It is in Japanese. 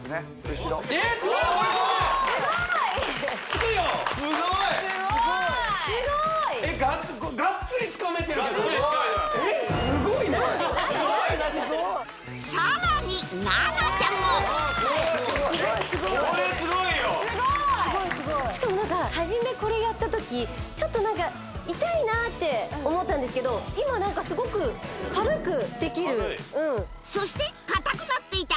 後ろええっつくすごいつくよすごいすごいガッツリつかめてるけどさらに奈々ちゃんもこれはすごいこれすごいよすごいしかも何かはじめこれやった時ちょっと何か痛いなって思ったんですけど今何かすごく軽くできるうんそしてかたくなっていた